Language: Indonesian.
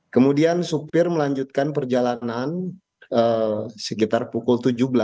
kemudian supir melanjutkan perjalanan sekitar pukul tujuh belas